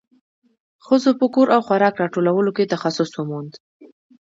ښځو په کور او خوراک راټولولو کې تخصص وموند.